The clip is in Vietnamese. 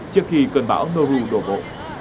trước khi cơn bão noru đổ bộ